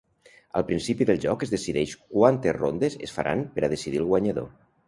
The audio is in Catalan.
Al principi del joc es decideix quantes rondes es faran per a decidir el guanyador.